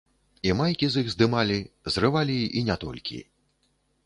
І майкі з іх здымалі, зрывалі і не толькі.